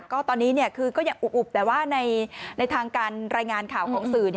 ก็ตอนนี้คือก็ยังอุบแต่ว่าในทางการรายงานข่าวของสื่อ